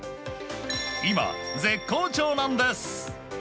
今、絶好調なんです。